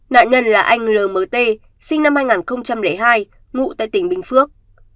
nạn nhân là anh l m t sinh năm hai nghìn hai ngụ tại tỉnh bình phước